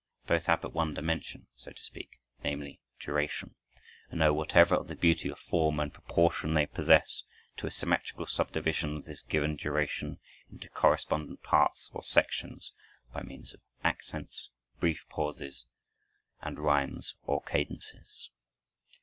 Both have but one dimension, so to speak,—namely, duration,—and owe whatever of the beauty of form and proportion they possess to a symmetrical subdivision of this given duration into correspondent parts or sections, by means of accents, brief pauses, and rhymes or cadences.